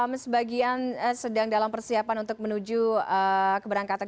hmm sebagian sedang dalam persiapan untuk menuju keberangkatan